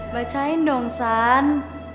bacain dong san